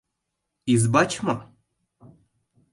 — Избач мо?